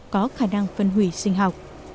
có khả năng phân hủy sinh học